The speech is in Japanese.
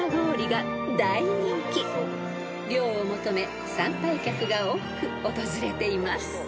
［涼を求め参拝客が多く訪れています］